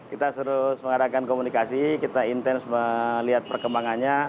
kita terus mengadakan komunikasi kita intens melihat perkembangannya